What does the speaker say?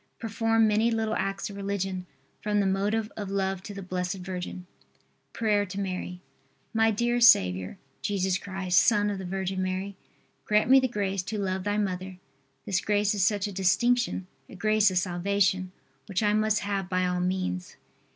Perform many little acts of religion from the motive of love to the Blessed Virgin. PRAYER TO MARY. My dear Saviour, Jesus Christ, Son of the Virgin Mary, grant me the grace to love Thy mother. This grace is such a distinction, a grace of salvation, which I must have by all means.